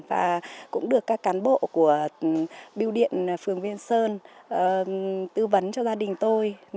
và cũng được các cán bộ của biêu điện phường viên sơn tư vấn cho gia đình tôi